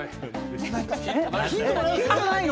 ヒントないの？